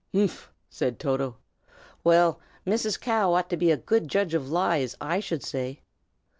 "Humph!" said Toto "Well, Mrs. Cow ought to be a good judge of lies, I should say."